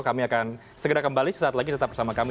kami akan segera kembali sesaat lagi tetap bersama kami